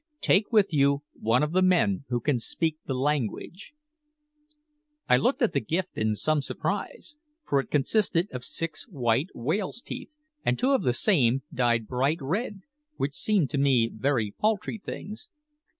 Take with you one of the men who can speak the language." I looked at the gift in some surprise, for it consisted of six white whale's teeth, and two of the same dyed bright red, which seemed to me very paltry things.